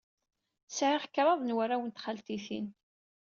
Sɛiɣ kraḍ n warraw n txaltitin.